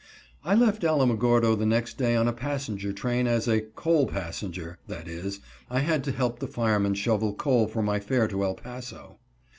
I left Alamogordo the next day on a passenger train as a "coal passenger," that is, I had to help the fireman shovel coal for my fare to El Paso.